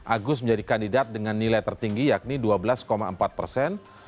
agus menjadi kandidat dengan nilai tertinggi yakni dua belas empat persen